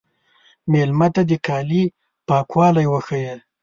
مېلمه ته د کالي پاکوالی وښیه.